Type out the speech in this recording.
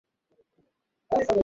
দুই কিলোমিটারের মধ্যেই থাকার কথা।